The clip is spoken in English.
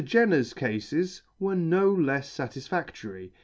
Jenner's Cafes were not lefs fatisfadory.